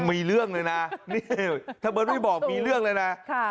มีเรื่องเลยนะนี่ถ้าเบิร์ตไม่บอกมีเรื่องเลยนะ